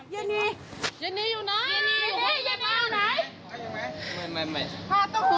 เดี๋ยวที่ขาวเว้ยหอเด็ก